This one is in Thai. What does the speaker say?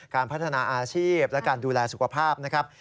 การพัฒนาอาชีพและการดูแลสุขภาพนะครับ